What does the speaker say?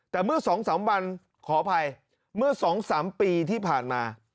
แต่เมื่อ๒๓วันขออภัยเมื่อ๒๓ปีที่ผ่านมา